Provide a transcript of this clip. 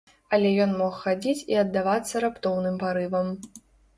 Але ён мог хадзіць і аддавацца раптоўным парывам.